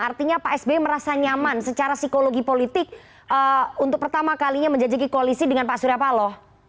artinya pak sby merasa nyaman secara psikologi politik untuk pertama kalinya menjajaki koalisi dengan pak surya paloh